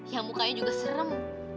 yang mukanya juga serem